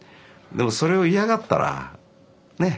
でもそれを嫌がったらね？